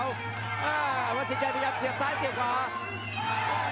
วัดสินใจไปครับเสียบซ้ายเสียบขวา